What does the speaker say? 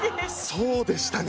そうでしたね